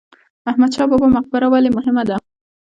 احمد شاه بابا مقبره ولې مهمه ده؟